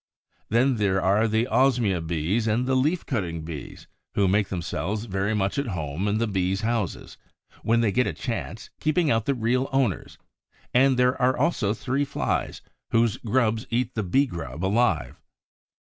Then there are the Osmia bees and the Leaf cutting Bees, who make themselves very much at home in the Bees' houses, when they get a chance, keeping out the real owners; and there are also three flies, whose grubs eat the Bee grub alive!